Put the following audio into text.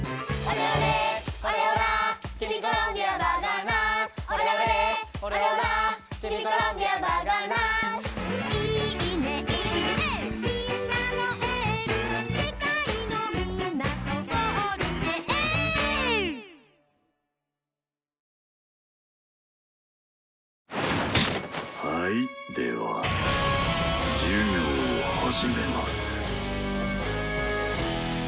授業を始めます。